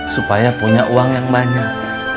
supaya punya uang yang banyak